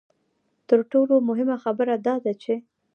تر ټولو مهمه خبره دا ده چې.